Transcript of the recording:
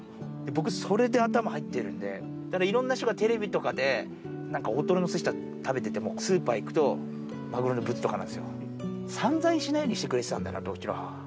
僕、それで頭入ってるんで、いろんな人がテレビとかでなんか、大トロのすしとか食べてても、スーパー行くと、マグロのブツとかなんですよ。散財しないようにしてくれてたんだなと、うちの母は。